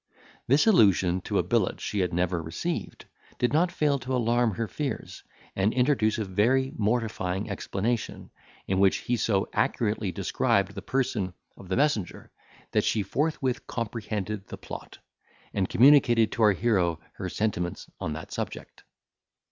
This allusion to a billet she had never received, did not fail to alarm her fears, and introduce a very mortifying explanation, in which he so accurately described the person of the messenger, that she forthwith comprehended the plot, and communicated to our hero her sentiments on that subject.